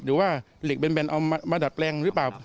หรือว่าเหล็กแบนเอามาดัดแปลงหรือเปล่า